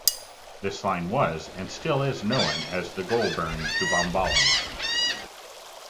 The line was and still is known as the Goulburn to Bombala line.